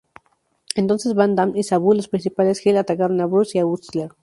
Entonces, Van Dam y Sabu, Los principales Heel atacaron a Bruce y a Utsler.